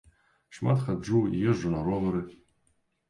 Шмат хаджу і езджу на ровары.